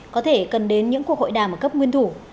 có thể cần đến những cuộc hội đàm ở cấp nguyên thủ